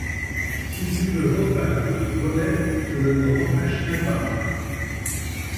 Si tu veux repeindre les volets, je ne t'en empêcherai pas.